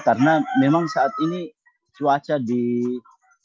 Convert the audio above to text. karena memang saat ini cuaca di beberapa tempat